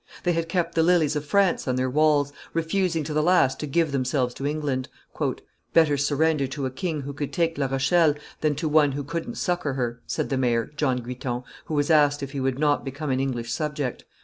They had kept the lilies of France on their walls, refusing to the last to give themselves to England. "Better surrender to a king who could take Rochelle, than to one who couldn't succor her," said the mayor, "John Guiton, who was asked if he would not become an English subject.